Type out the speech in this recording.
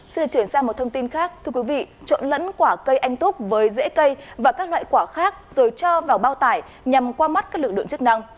xin trở lại một thông tin khác chọn lẫn quả cây anh túc với rễ cây và các loại quả khác rồi cho vào bao tải nhằm qua mắt các lực lượng chức năng